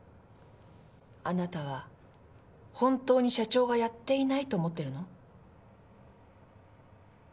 あなたは本当に社長がやっていないと思ってるの？